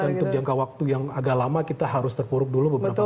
dan untuk jangka waktu yang agak lama kita harus terpuruk dulu beberapa tahun